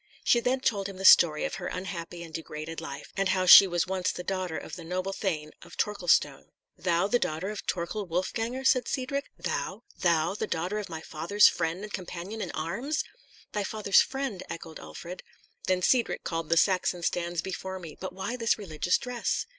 She then told him the story of her unhappy and degraded life, and how she was once the daughter of the noble thane of Torquilstone. "Thou the daughter of Torquil Wolfganger!" said Cedric; "thou thou, the daughter of my father's friend and companion in arms!" "Thy father's friend!" echoed Urfried; "then Cedric, called the Saxon, stands before me. But why this religious dress?"